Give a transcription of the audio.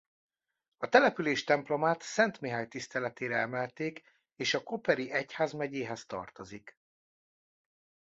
A település templomát Szent Mihály tiszteletére emelték és a Koperi egyházmegyéhez tartozik.